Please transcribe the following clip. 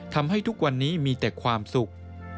ทำให้ทุกวันนี้มีแต่ความสุข